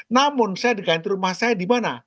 namun saya diganti rumah saya di mana